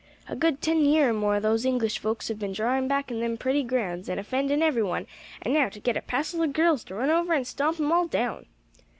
"A good ten year or more, those English folks have been drawin' back in them pretty grounds, an' offendin' every one; an' now, to get a passel o' girls to run over an' stomp 'em all down!"